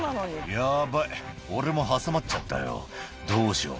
「ヤバい俺も挟まっちゃったよどうしよう」